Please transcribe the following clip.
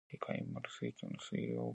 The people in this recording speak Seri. Zaah quij hant quij itacl cöcayaxi ha.